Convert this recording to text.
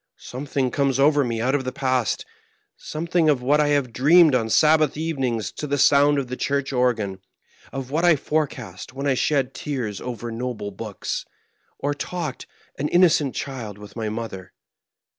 Something comes over me out of the past ; something of what I have dreamed on Sabbath evenings to the sound of the church organ, of what I forecast when I shed tears over noble books, 4 Digitized by VjOOQIC 74 MABKHEIM. or talked, an innocent child, with my mother.